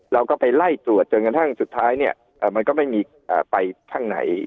เราก็ไปไล่ตรวจจนกระทั่งสุดท้ายเนี่ยมันก็ไม่มีไปข้างไหน